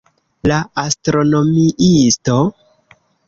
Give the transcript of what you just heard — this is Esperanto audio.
La astronomiisto?